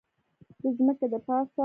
د ځمکې دپاسه